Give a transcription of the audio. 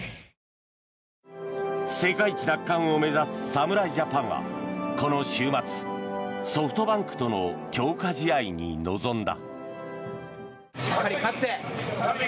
世界一奪還を目指す侍ジャパンはこの週末、ソフトバンクとの強化試合に臨んだ。